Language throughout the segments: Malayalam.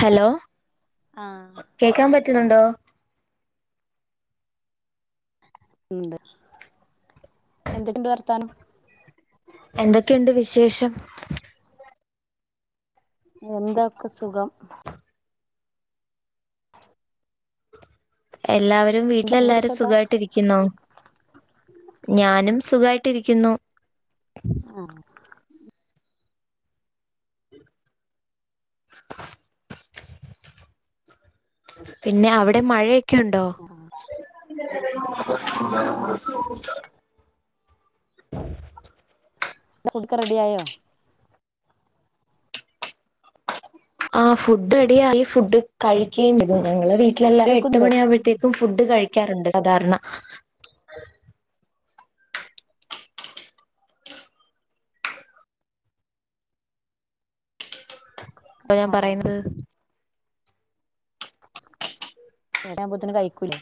ഹലോ ആഹ് കേക്കാൻ പറ്റുന്നുണ്ടോ എന്തെക്കെയുണ്ട് വർത്താനം എന്തൊക്കെയുണ്ട് വിശേഷം എല്ലാർക്കും സുഖം എല്ലാവരും എന്താ വീട്ടിലെല്ലാവാരും വിശേഷത്താ സുഖമായിട്ടിരി ഞാനും സുഖമായിട്ടിരിക്കുന്നു ഉം അ പിന്നെ അവിടെ മഴയെ ഒക്കെ ഉണ്ടോ ആഹ് [inaudible] ഫുഡൊക്ക റെഡി ആയോ ആ് ഫുഡ് റെഡ ആയി ഫുഡ് കഴിക്കുകയും ചെയ്തു ഞങ്ങള് വീട്ടിൽ എല്ലാരും എട്ട് കേൾക്കുന്നില്ലേ മണി ആകുമ്പോഴത്തേക്കും ഫുഡ് കഴിക്കാറുണ്ട് സാധാരണ ഇപ്പൊ ഞാൻ ആഹ് പറയുന്നത് എഴാമ്പത്തേന് കഴിക്കൂലേ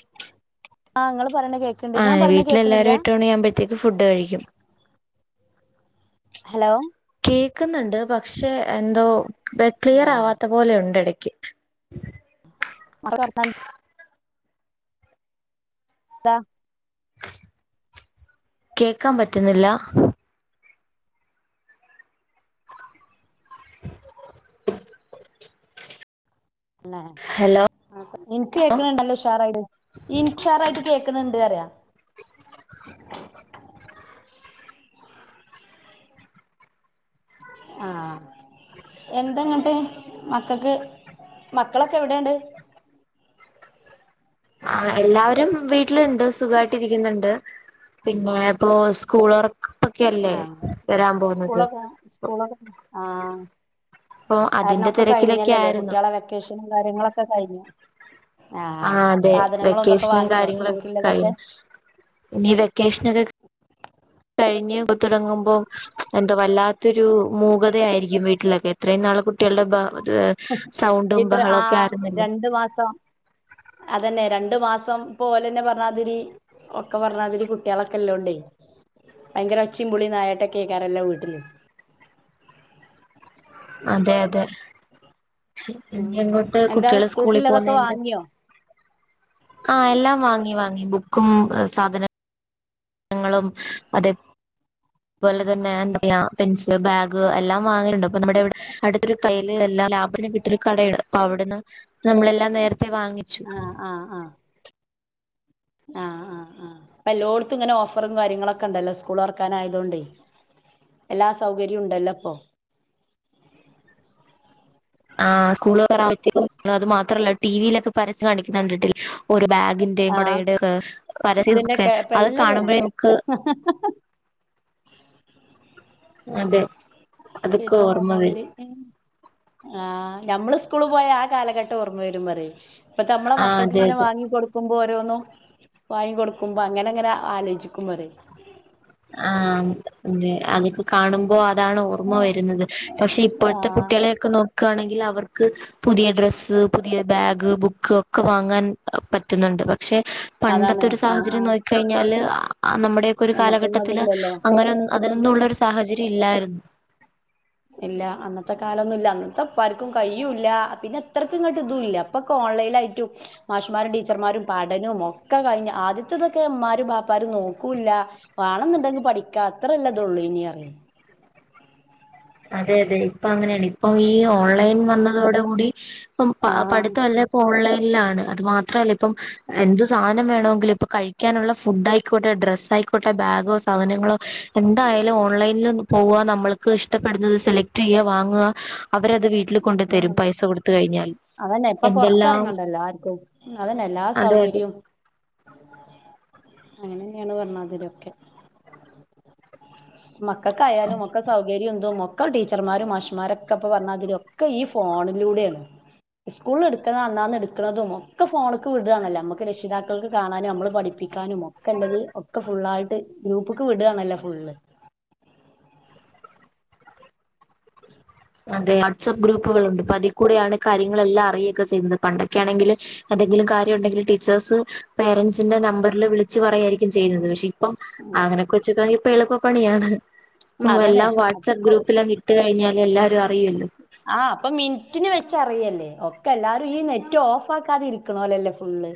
ആഹ് നിങ്ങള് പറയണ കേ ആഹ വീട്ടിലെല്ലാരും എട്ടോണി ആമ്പഴത്തേക്ക് ഫുഡ് കഴിക്കും ഹലോ കേക്കുന്നുണ്ട് പക്ഷെ എന്തോ ക്ലിയർ ആഹ് ആവാത്ത പോലെ ഉണ്ട് ഇടക്ക് അവിടെ വർത്താനം എന്താ കേക്കാൻ പറ്റുന്നില്ല [inaudible] ആഹ് ഹലോ എനിക്ക് കേൾക്കണണ്ടല്ലോ ഷാർ ആയിട്ട് എനിക്ക് ഉഷാർ ആായിട്ട് കേൾക്കണണ്ട് അറിയ ആഹ എന്തങ്ങോട്ട് മക്കൾക്ക് മക്കളൊക്കെ എവിടെണ്ട് ആ എല്ലാവരും വീട്ടിലുണ്ട് സുഖമായിട്ട് ഇരിക്കുന്നുണ്ട് പിന്നെ ഇപ്പോ സ്കൂള് തുറക്ക് ആഹ സ്കൂളൊക്കെ സ്കൂളൊക്കെ ആഹ കാരണം അതിന്റെ ഒക്കെ തിരക്കിലൊക്കെ കഴിഞ്ഞല്ലല്ലേ ആയിരുന്നു കുട്ടികളെ വെക്കേഷനും കാര്യങ്ങളൊക്കെ കഴിഞ്ഞു ആ അതെ സാധനങ്ങളും ഇതൊക്കെ വെക്കേഷനും വാങ്ങിയോ കാര്യങ്ങളൊക്കെ സ്കൂൾക്കുള്ളതൊക്കെ കഴിഞ്ഞു ഇനി വെക്കേഷനൊക്കെ കഴിഞ്ഞഞ്തുടങ്ങുമ്പോം എന്താ വല്ലാത്തൊരു മൂകത ആയിരിക്കും വീട്ടിലൊക്കെ ഇത്രയും നാള് കുട്ടികളുടെ ബ ഇത് ഇത്ര ആ രണ്ടു മാസം അതന്നെ രണ്ടു മാസം പോലെന്നെ പറഞ്ഞാതിരി ഒക്കെ പറഞ്ഞാ അതില് കുട്ടികളൊക്കെ എല്ലാംണ്ടേ ഭയങ്കര ഒച്ചയും വിളിയും നായട്ടക്ക കേൾക്കാറല്ല വീട്ടും അതെ അതെ ശ ഉം ഞങ്ങൾക്ക് എന്താ കുട്ടികള് സ്കൂളിൽ സ്കൂൾക്കുള്ളതൊക്കെ പോന്നെയുണ്ട് വാങ്ങിയോ ആഹ് എല്ലാം വാങ്ങി വാങ്ങി ബുക്കും സാധന ങ്ങളും അതേ അതുപോലെ തന്നെ എന്തൊക്കെയാ പെൻസില് ബാഗ് എല്ലാം വാങ്ങലുണ്ട് അപ്പ നമ്മുടെ ഇവിടെ അടുത്തൊരു കടയിൽ എല്ലാം ലാഭത്തിന് കിട്ടൊരു കടയാണ് അപ്പൊ അവിടുന്ന് ഞങ്ങളെല്ലാം നേരത്തെ വാങ്ങി ആഹ് ആഹ് ആഹ് ആഹ് ആഹ് ആഹ് എല്ലോടത്തും ഇങ്ങനെ ഓഫറും കാര്യങ്ങളൊക്കെ ഉണ്ടല്ലോ സ്കൂള് തുറക്കാൻ ആയതോണ്ടെ എല്ലാ സൗകര്യവും ഉണ്ടല്ലോ ഇപ്പോ ആഹ് സ്കൂള് തുറ ആവുമ്പത്തേക്കും അത് മാത്രമല്ല ടി വി യിലൊക്കെ പരസ്യം കാണിക്കുന്ന കണ്ടിട്ടില്ലേ ഒരു ബാഗി ന്റെയും ആ കുടയുടെ ഒക്കെ പരസ്യം ഒക്കെ ഇതിന്റെക്കെ ഇപ്പ അതൊക്കെ എല്ലാതും കാണുമ്പഴേ നമുക്ക് [inaudible] അതെ അതൊക്കെ ശരിയാണ് ഓർമ്മ വരും പറഞ്ഞാതിരി ആഹ് ഞമ്മള് സ്കൂളിൽ പോയ ആ കാലഘട്ടം ഓർമ്മ വരും പറയയാ ഇപ്പൊ നമ്മളെ ആ മക്കൾക്ക് അതെ ഇങ്ങനെ അതെ വാങ്ങി കൊടു കൊടുക്കുമ്പോ ഓരോന്നും വാങ്ങി കൊടുക്കുമ്പോ അങ്ങനെ അങ്ങനെ ആലോചിക്കും പറയയാ ആഹ് അതെ അതൊക്കെ കാണുമ്പോ അ താണ് ഓർമ്മ വരുന്നത് പക്ഷെ ഇപ്പഴത്തെ ആഹ് കുട്ടികളെയൊക്കെ നോക്കയാണെങ്കിൽ അവർക്ക് പുതിയ ഡ്രസ്സ് പുതിയ ബാഗ് ബുക്ക് ഒക്കെ വാങ്ങാൻ പറ്റുന്നുണ്ട് പക്ഷെ അതാണ് പണ്ടത്തെ ഒരു ആഹ് സാഹചര്യം ആഹ് നോക്കി കഴിഞ്ഞാല് നമ്മുടെയൊക്കെ ഒരു കാലഘ നമ്മക്കൊന്നും ട്ടം അതില്ലല്ലോ അങ്ങനൊന്നും അതിനൊന്നും ഉള്ള ഒരു സാഹചര്യം ഇല്ലാരുന്നു ഇല്ല അന്നത്തെ കാലൊന്നുമില്ല അന്നത്തെ ആർക്കും കഴിയൂല്ല പിന്നെ അത്രയ്ക്കും ഇങ്ങട്ട് ഇതും ഇല്ല ഇപ്പൊ ഒക്കെ ഓൺലൈൻ ആയിട്ടും മാഷർമാരും ടീച്ചർമാരും പഠനവും ഒക്കെ കഴിഞ്ഞ് ആദ്യത്തെ ഇതൊക്കെ അമ്മമാരും പാപ്പമാരും നോക്കൂല്ല വേണോന്നുണ്ടെങ്കിൽ പഠിക്കുവാ അത്ര അല്ലതൊള്ളൂ ഇനി അറിയേ അതെ അതെ ഇപ്പം അങ്ങനെയാണ് ഇപ്പൊ ഈ ഓൺലൈൻ വന്നതോട് കൂടി ഇപ്പം പഠിത്തം ആഹ് അല്ലേ ഇപ്പം ഓൺലൈനിലാണ് അത് മാത്രമല്ല ഇപ്പം എന്ത് സാധനം വേണമെങ്കിലും ഇപ്പം കഴിക്കാനുള്ള ഫുഡായി ക്കോട്ടെ ഡ്രസ്സ് ആയിക്കോട്ടെ ബാഗോ സാധനങ്ങളോ എന്തായാലും ഓൺലൈനിൽ പോകുവാ നമ്മൾക്ക് ഇ ഷ്ടപ്പെടുന്നത് സെലക്ട് ചെയ്യുക വാങ്ങുക അവരത് വീ ട്ടില് കൊണ്ട് തരും പൈസ കൊടുത്ത് കഴിഞ്ഞാൽ അതന്നെ ഇപ്പൊ എന്തെല്ലാം പൊറത്തെറങ്ങണ്ടല്ലോ ആർക്കും അതന്നെ എല്ലാ അതെ അതെ സൗകര്യവും അങ്ങനങ്ങെനെയാണ് പറഞ്ഞത് അതിലൊക്കെ മക്കക്കായാലും ഒക്കെ സൗകര്യം എന്തോ മി ക്ക ടീച്ചർമാരും മാഷ്മാരൊക്കെ ഇപ്പം പറഞ്ഞാ അതിലൊക്കെ ഈ ഫോണിലൂടെയാണ് സ്കൂളിൽ എടുക്കണത് അന്നന്ന് എടുക്കുന്നതും ഒക്കെ ഫോണിക്കൂടെ ഇടുവാണല്ലോ നമുക്ക് രക്ഷിതാക്കൾക്ക് കാണാനും നമ്മള് പഠിപ്പി ക്കാനും ഒക്കെ ഉള്ളത് ഒക്കെ ഫുള്ളായിട്ട് ഗ്രൂപ്പ്ക്ക് വിടുവാണല്ലോ ഫുള്ള് അതെ വാട്സ്ആപ്പ് ഗ്രൂപ്പുകളുണ്ട് ഇപ്പം അതിൽ കൂടെയാണ് കാര്യങ്ങളെല്ലാം അറിയുവൊക്കെ ചെയ്യുന്നത് പണ്ടൊക്കെ ആണെങ്കില് എന്തെങ്കിലും കാര്യം ഉണ്ടെങ്കിൽ ടീച്ചേഴ്സ് പേരൻറ്സിന്റെ നമ്പറിൽ വിളിച്ച് പറയുകായിരിക്കും ചെയ്യുന്നത് പക്ഷെ ഇ പ്പം അങ്ങനൊക്കെ വെച്ച് നോക്കിയാൽ ഇപ്പം എളുപ്പപ്പണിയാണ് ഇപ്പൊ അതന്നെ എല്ലാം വാട്സ്ആപ്പ് അപ്പൊ ഗ്രൂപ്പില് അങ്ങ് ഇട്ട് കഴിഞ്ഞാല് എല്ലാരും അറിയുവല്ലോ ആഹ് അപ്പം മിനിറ്റിന് വെച്ചറിയല്ലേ ഒക്കെ എല്ലാരും ഈ നെറ്റ് ഓഫ് ആക്കാതെ ഇരിക്കണോലൊ അല്ലേ ഫുള്ള്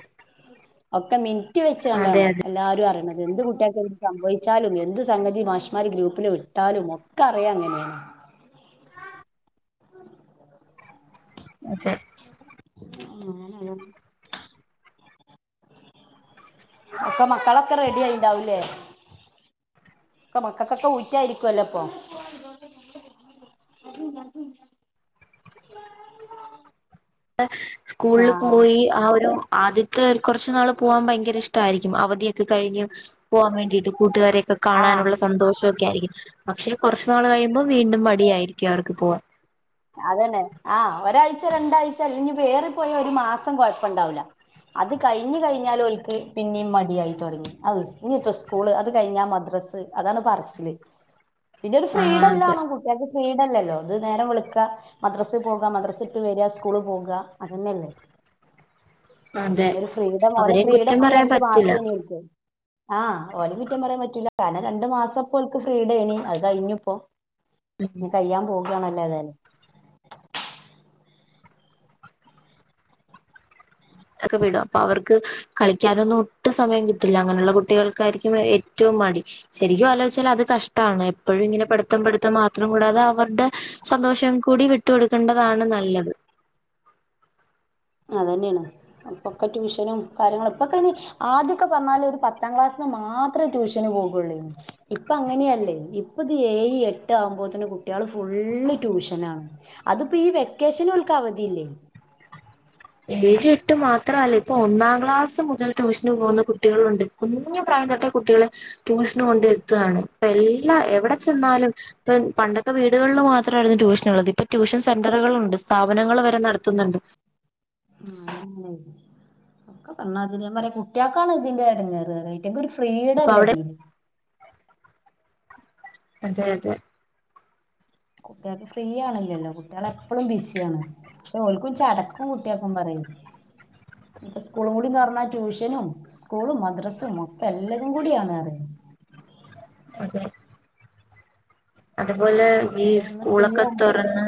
ഒക്കെ മിനിറ്റ് വെച്ച് അതെ കണ്ടാണ് അതെ എല്ലാരും അറിയുന്നത് എന്ത് കുട്ടികൾക്ക് എന്ത് സംഭവിച്ചാലും എന്ത് സംഗതി മാഷ്മാര് ഗ്രൂപ്പില് വിട്ടാലും ഒ ക്കെ അറിയുവാ അങ്ങനെയാണ് അതെ അപ്പൊ മക്കളൊ ക്കെ റെഡി ആയിണ്ടാവുല്ലേ, പ്പ മക്കക്കൊക്കെ ഊറ്റായിരിക്കൊല്ല പ്പോ സ്കൂൾല് ആഹ് പോയി ആ ഒരു ആദ്യ ത്തെ കൊർച്ചു നാള് പോവാൻ ഭയങ്കര ഇഷ്ട ആയിരിക്കും അവധിയൊക്കെ കഴിഞ്ഞ് പോകാൻ വേണ്ടിയിട്ട് കൂട്ടുകാരെയൊക്കെ ആഹ് കാണാനുള്ള സന്തോഷമൊക്കെ ആയിരിക്കും പക്ഷെ കുറച്ചു നാള് കഴിയുമ്പം വീണ്ടും മടിയായിരിക്കും അവർക്ക് പോവാൻ അതന്നെ ആഹ് ഒരാഴ്ച രണ്ടാഴ്ച അല്ലെങ്കിപ്പേറി പോയാ ഒരു മാസം കൊഴപ്പണ്ടാവൂല അത് കഴിഞ്ഞ് കഴിഞ്ഞാലോൽക്ക് പിന്യും മടിയായി തുടങ്ങി. ഔ ന്നിപ്പോ സ്കൂള് അത് കഴിഞ്ഞാ മദ്രസ് അതാണ് പറച്ചില്, പിന്നൊരു ആ ഫ്രീഡല്ലാ അതെ ണു. കുട്ട്യാക്ക് ഫ്രീഡല്ലല്ലോ, ത് നേരം വെള്ക ക്കാ മദ്രസ് പോക മദ്രസ്ട്ട് വരാ, സ്കൂള് പോകുക അതന്നെല്ലേ അതെ പിന്നൊരു ഫ്രീഡം ഓലെ അവരെയും കുറ്റം ഫ്രീഡപ്പീ പറയാൻ രണ്ട് പറ്റില്ല മാസേനി ഓൽക്ക് ആഹ് ഓലിം കുറ്റം പറയാൻ പറ്റൂല കാരണം രണ്ടു മാസം പ്പോൽക്ക് ഫ്രീഡേനി, അത് കഴിഞ്ഞുപ്പം, ഇനി കഴിയാൻ പോകാണല്ലേ ഏതായാലും ഒക്കെ വിടും അപ്പൊ അവർക്ക് കളിക്കാനൊന്നും ഒട്ടും സമയം കിട്ടില്ല അങ്ങനെയുള്ള കുട്ടികൾക്കായിരിക്കും ഏറ്റവും മടി. ശരിക്കും ആലോചിച്ചാൽ അത് കഷ്ട്ടാണ്. എപ് അപ്പോഴും ഇങ്ങനെ പഠിത്തം പഠിത്തം മാത്രം കൂടാതെ അവരുടെ സന്തോഷം കൂടി വിട്ടു കൊടുക്കേണ്ടതാണ് നല്ലത്. അതന്നേണ്. പ്പൊക്കെ ട്യൂഷനും കാര്യങ്ങളും പ്പൊക്കയ്ന് ആദ്യൊക്കെ പർഞ്ഞാല് ഒരു പത്താം ക്ലാസ്സ്ന്ന് മാത്രേ ട്യൂഷന് പോകള്ളോനി. ഇപ്പങ്ങനിയല്ലേ ഇപ്പത് ഏഴ് എട്ട് ആകുമ്പോത്ത്‌ന് കുട്ട്യാള് ഫുള്ള് ട്യൂഷനാണ് അത്പ്പ ഈ വെക്കേഷനോൽ ക്ക് അവധിയില്ലേ. ഏഴും എട്ടും മാത്രമല്ല ഇപ്പൊ ഒന്നാം ക്ലാസ് മുതൽ ട്യൂഷന് പോകുന്ന കുട്ടികളുണ്ട്. കുഞ്ഞു പ്രായം തൊട്ടേ കുട്ടികള് ട്യൂഷന് കൊണ്ട് ഇരുത്തുകയാണ് പ്പെല്ലാ എവിടെ ചെന്നാലും ഇപ്പ പണ്ടൊക്കെ വീടുകളിൽ മാത്രമായിരുന്നു ട്യൂഷന ഉള്ളത് ഇപ്പൊ ട്യൂഷൻ സെന്ററുകളുണ്ട് സ്ഥാപനങ്ങൾ വരെ നടത്തുന്നുണ്ട്. ഉം ഒക്കെ പർഞ്ഞാതിരി ഞാൻ പറയാ കുട്ട്യാക്കാണ് ഇതിന്റെ എടങ്ങേറ് റ്യ റ്റക്കൊരു ഫ്രീഡല്ലതീരിം അതെയതെ കുട്ട്യാക്ക് ഫ്രീ ആണല്ലല്ലോ കുട്ട്യാളെപ്പളും ബിസി ആണ്. ക്ഷേ ഓൽക്കും ചടക്കും കുട്ട്യാക്കും പറ്യേ ഇപ്പ സ്കൂളും കൂടി തൊറന്നാ ട്യൂഷനും സ്കൂളും മദ്രസും ഒക്കെ എല്ലതും കൂടിയാണ് റ്യ അതെ അതുപോലെ ഈ അവര് ഒന്ന് ഫ്രീ സ്കൂളൊക്കെ ആണല്ലോ തൊറന്ന്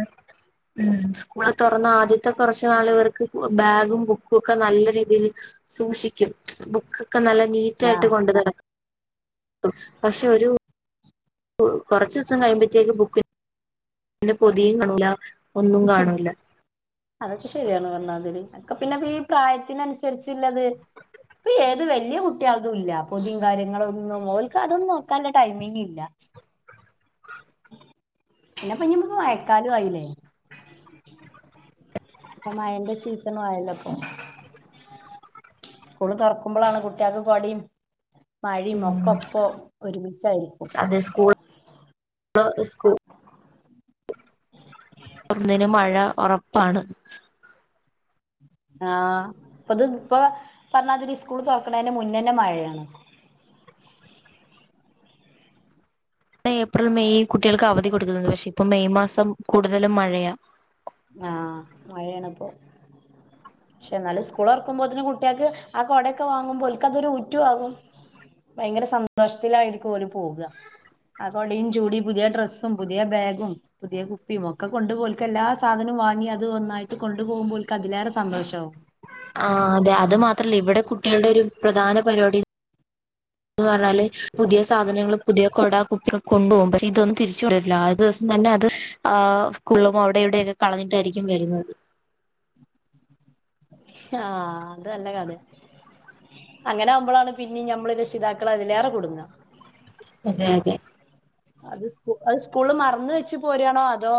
ഉം സ്കൂൾ തുറന്ന് ആദ്യത്തെ കൊറച്ച് നാളവർക്ക് ബാഗും ബുക്കും ഒക്കെ നല്ല രീതിയിൽ സൂക്ഷിക്കും ബുക്ക് ക്ക നല്ല നീറ്റായിട്ട് ആഹ് കൊണ്ട് നടക്കും പക്ഷെ ഒരു കൊറച്ച്സം കഴിയുമ്പത്തേക്ക് ബുക്ക് പിന്നെ പൊതിയും കാണൂല. ഒന്നും കാണൂല അതൊക്കെ ശരിയാണ് പർഞ്ഞാതിരി, ഒക്കെ പിന്നെ ഈ പ്രായത്തിനൻസര്ച്ച്ള്ളത് ഇപ്പൊ ഏത് വല്യ കുട്ട്യാൾതുല്ല, പൊതിം കാര്യങ്ങളൊന്നും ഓൽക്കതൊന്നും നോക്കാല്ലടൈമിങ് ഇല്ല. പിന്നെപ്പൊഞ്ഞിപ്പൊ മയക്കാലു ആയിലേ. പ്പ മയന്റെ സീസണു ആയല്ലപ്പൊ സ്കൂള് തൊർക്കുമ്പളാണ് കുട്ട്യാക്ക് കൊട്യും ഉം മഴിംഒക്കൊപ്പൊ ഒരുമിച്ചായിരിക്കും. അതെ സ്കൂൾ ളോ ഇസ്ക്കൂ ഒന്നിന് മഴ ഒറപ്പാണ്. ആഹ് അപ്പൊത് ഇപ്പൊ പറഞ്ഞാതിരി സ്കൂള് തോക്കണതിന്റെ മുന്നന്നെ മഴയാണ്. ഏപ്രിൽ മെയ് കുട്ടികൾക്ക് അവധി കൊടുക്കുന്നത് പക്ഷെ ഇപ്പം മെയ് മാസം കൂടുതലും മഴയാ. ആഹ് മഴണിപ്പോ പക്ഷെ എന്നാലും സ്കൂൾ ഇറക്കുമ്പോത്തനന് കുട്ടിയൾക്ക് ആ കൊടയൊക്കെ വാങ്ങുമ്പോ കൽക്ക് അതൊരു ഉറ്റു ആവുംപ്പോ ഭയങ്കര സന്തോഷത്തിലായിരിക്കും അവര് പോവ. ആ കൊടയും ചൂടി പുതിയ ഡ്രസ്സും പുതിയ ബാഗും പുതിയ കുപ്പിയും ഒക്കെ കൊണ്ട് ഓൽക്ക് എല്ലാ. സാധനം വാങ്ങി അത് ഒന്നായിട്ട് കൊണ്ടു പോകുമ്പോഴക്ക് അതിലേറെ സന്തോഷവും. ആ അതെ അത് മാത്രല്ല ഇവിടെ കുട്ടികളുടെ ഒരു പ്രധാന പരിപാടി. [inaudible] ന്ന് പറഞ്ഞാല് പുതിയ സാധനങ്ങള് പുതിയ കൊട കുപ്പിക കൊണ്ടുപകും പക്ഷെ ഇതൊന്നും തിരിച്ചു വിടല്ല അത് ദിവസം തന്നെ അത് ആ സ്കൂളിലും അവിടെ ഇവിടെയൊക്കെ കളഞ്ഞിട്ടായിരിക്കും വരുന്നത്. ആഹ അത് നല്ല കഥ. അങ്ങനെ ആകുമ്പോഴാണ് പിന്നീം നമ്മള് രക്ഷിതാക്കൾ അതിലേറെ കൊടുങ്ങാ. അതെ അതെ അത് സ്ക്കൂളിൽ അത് സ്കൂളിൽ മറന്ന് വെച്ച് പോരായാണോ അതോ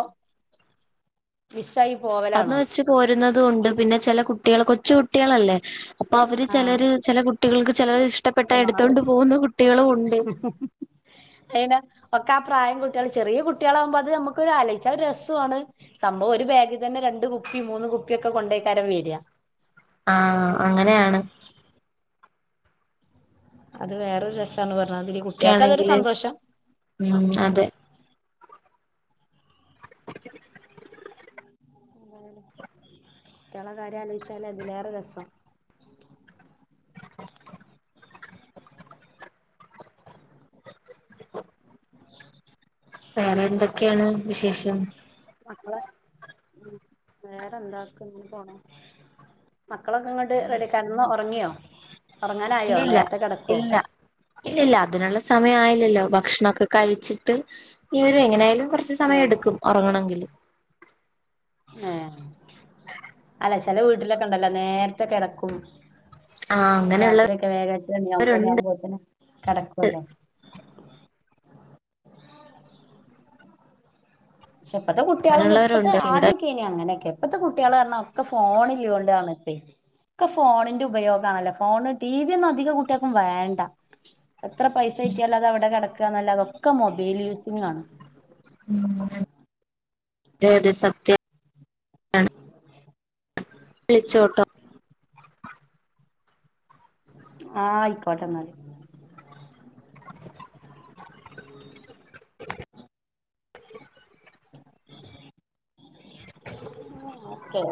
മിസ്സായി മറന്ന് പോവലാണോ? വെച്ച് പോരുന്നതും ഉണ്ട് പിന്നെ ചില കുട്ടികൾ കൊച്ച് കുട്ടികളല്ലേ അപ്പൊ അവര് ചില ആഹ് ചില കുട്ടികൾക്ക് കുട്ടികൾക്ക് ചിലർ ഇഷ്ടപ്പെട്ട എടുത്തുകൊണ്ട് പോകുന്ന കുട്ടികളും ഉണ്ട്. ഏനാ ഒക്കെ ആ പ്രായം കുട്ടികൾ ചെറിയ കുട്ടികളാവകുമ്പോ അത് നമുക്ക് ഒരു ആലോച്ച ഒരു രസമാണ്. സംഭവം ഒരു ബാഗിൽ തന്നെ രണ്ടണ്ട് കുപ്പി മൂന്ന് കുപ്പിയ ഒക്കെ കൊണ്ടുയ്ക്കാരം വര. ആ അങ്ങനെയാണ്. അത് വേറെൊ രസന്ന് പറഞ്ഞതി. ക്ക ആണെങ്കില് ഉ അതെ. [unintelligible] കുട്ടികളെ കാര്യം വെച്ചാല് അതിലേറെ രസം. [unintelligible] വേറെ എന്തൊക്കെയാണ് വിശേഷം. മക്കളെ ഉ വേറെന്താക്ക ഇങ്ങെ പോണു. മക്കളൊക്കെ ഇങ്ങോട്ട് കിടന്ന് ഉറങ്ങിയോ ഉറങ്ങാനായോ ഇല്ലല്ല നേരത്തെ കിടക്കുവോ ഇല്ല ഇല്ലല്ല അതിനുള്ള സമയം ആയില്ലല്ലോ ഉം ഭക്ഷണൊക്കെ കഴിച്ചിട്ട് ഈ ഒരു എങ്ങനൊയാലും കുറച്ച് സമയം ആഹ് എടുക്കും ഉറങ്ങണെങ്കിൽ. ആഹ് ചില വീട്ടിലൊക്കെ ഉണ്ടല്ലോ നേരത്തെ കിടക്കും. ആഹ് രാത്രി അങ്ങനെയുള്ളവരുണ്ട് ഒക്കെ വേഗം ഏട് മണി അമ്പോ അമ്പോത്തിന് കടക്കുലോ. പക്ഷെ ഇപ്പത്തെ കുട്ടികളൊന്നും മുപ്പത്തെ അങ്ങനെയുള്ളവരുണ്ട് ഇവിടെ ആദ്യം അങ്ങനെയൊക്കെ എപ്പഴത്തെ കുട്ടികള് പറഞ്ഞ ഒക്കെ ഫോണ് ഇല്ല കൊണ്ടാണ്പ്പേ ഒക്കെ ഫോണിന്റെ ഉപയോഗം ആണല്ലോ ഫോണ് ടി വി ഒന്നും അധികം കുട്ടികൾക്കും വേണ്ട. എത്ര പൈസ കിട്ടിയാലും അത് അവിടെ കിടക്കുക എന്നല്ല അതൊക്കെ മൊബൈൽ യൂസിംഗ് ആണ്. അങ്ങനെ ഏകദേശം. ഒളിച്ചോട്ടം ആഹ ആയിക്കോട്ടെ എന്നാല്. അലോ